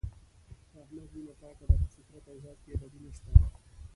د احمد وینه پاکه ده په فطرت او ذات کې یې بدي نشته.